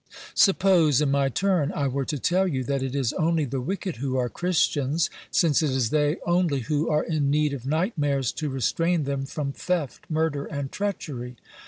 Suppose, in my turn, I were to tell you that it is only the wicked who are Christians, since it is they only who are in need of nightmares to restrain them from theft, murder and treachery.